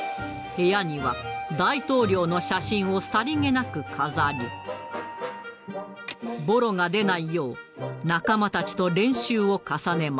部屋には大統領の写真をさりげなく飾りボロが出ないよう仲間たちと練習を重ねました。